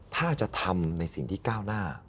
ถ้าจะทำในสิ่งที่ก้าวหน้า